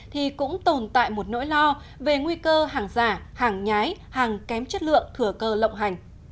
thì cũng tồn tại một nỗi lo về nguy cơ hàng giả hàng nhái hàng kém chất lượng thừa cơ lộng hành